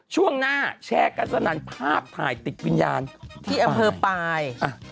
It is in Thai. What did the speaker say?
ช่วงหน้าแชร์กันสนั่นภาพถ่ายติดวิญญาณที่อำเภอปลาย